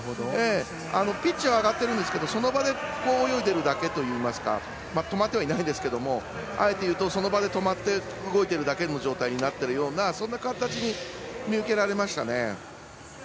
ピッチは上がってるんですけどその場で泳いでいるだけといいますかとまってはいないですけどあえて言うと止まって動いているような状態になっているようなそんな形に見受けられましたね。